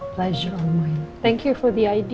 pertarungan yang sama terima kasih untuk ide